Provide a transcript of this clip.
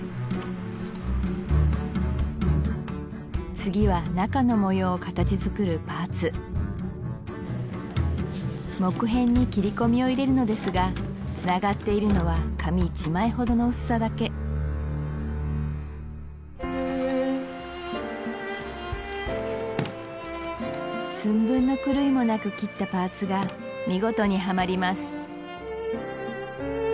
次は中の模様を形作るパーツ木片に切り込みを入れるのですがつながっているのは紙１枚ほどの薄さだけ寸分の狂いもなく切ったパーツが見事にはまります